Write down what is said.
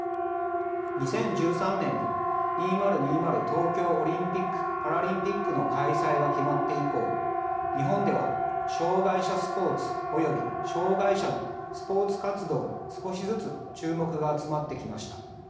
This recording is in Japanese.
２０１３年に２０２０東京オリンピックパラリンピックの開催が決まって以降日本では障害者スポーツおよび障害者のスポーツ活動に少しずつ注目が集まってきました。